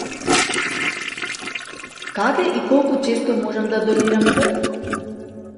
Каде и колку често можам да донирам крв?